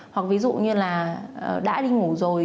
hoặc ví dụ như là đã đi ngủ rồi